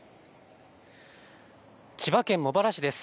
千葉県茂原市です。